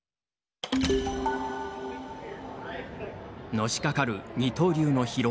のしかかる二刀流の疲労。